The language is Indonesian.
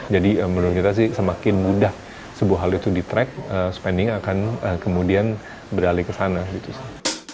jadi menurut kita sih semakin mudah sebuah hal itu di track spending akan kemudian beralih ke sana gitu sih